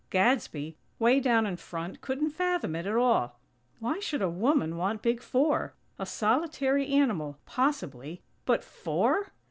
Gadsby, way down in front, couldn't fathom it, at all. Why should a woman want Big Four? A solitary animal, possibly, but _four!